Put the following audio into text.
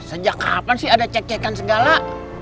sejak kapan sih ada cek cekan segala